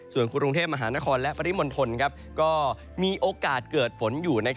ส่วนกรุงเทพมหานครและปริมณฑลก็มีโอกาสเกิดฝนอยู่